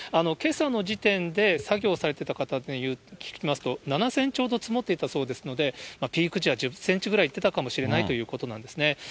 けさの時点で作業されてた方に聞きますと、７センチほど積もっていたそうですので、ピーク時は１０センチぐらいいってたかもしれないということなんですね。